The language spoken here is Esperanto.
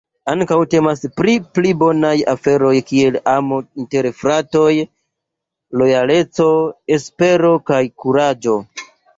Ankaŭ temas pri pli bonaj aferoj kiel amo inter fratoj, lojaleco, espero kaj kuraĝo.